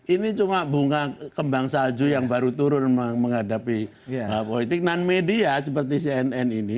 ini cuma bunga kembang salju yang baru turun menghadapi politik non media seperti cnn ini